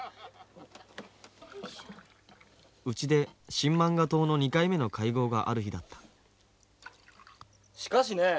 ・うちで新漫画党の２回目の会合がある日だったしかしね